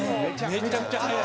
めちゃくちゃ速い。